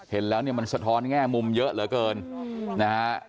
เห็นแล้วมันสะท้อนแง่มุมเยอะเหลือเกิน